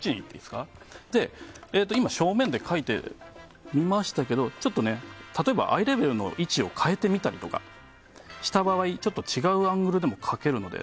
今、正面で描いてみましたけども例えば、アイレベルの位置を変えてみたりした場合違うアングルでも描けるので